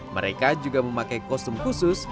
mereka juga memakai kostum khusus